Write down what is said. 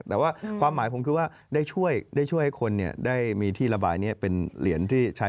แต่ว่าความหมายผมคือว่าได้ช่วยให้คนนี้ได้มีที่ระบาย